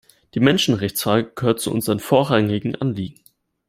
Die Menschenrechtsfrage gehört zu unseren vorrangigen Anliegen.